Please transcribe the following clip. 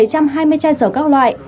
bảy trăm hai mươi chai dầu các loại